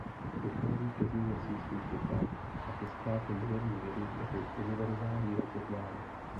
Dochází ke změně smyslu světa a ke ztrátě moderní vědy jako univerzálního poznání.